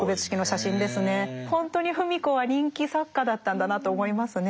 ほんとに芙美子は人気作家だったんだなと思いますねえ。